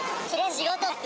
仕事っす。